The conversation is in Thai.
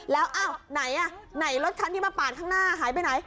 แล้วไหนรถคันที่มาปากข้างหน้าหายไปไหน